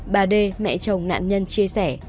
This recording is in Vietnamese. bà đê mẹ chồng nạn nhân chia sẻ